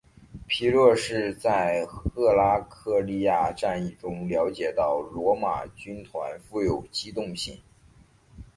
皮洛士在赫拉克利亚战役中了解到罗马军团富有机动性。